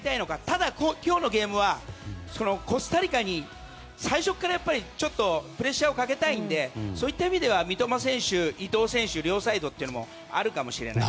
ただ今日のゲームはコスタリカに最初からちょっとプレッシャーをかけたいのでそういった意味では三笘選手伊東選手が両サイドということもあるかもしれない。